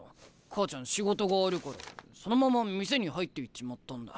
母ちゃん仕事があるからそのまま店に入っていっちまったんだ。